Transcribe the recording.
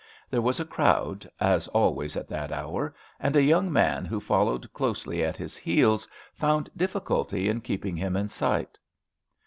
There was a crowd, as always at that hour, and a young man who followed closely at his heels found difficulty in keeping him in sight.